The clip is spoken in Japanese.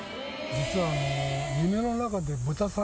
実は。